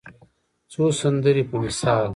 څو سندرې په مثال